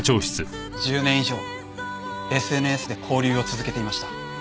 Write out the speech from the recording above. １０年以上ＳＮＳで交流を続けていました。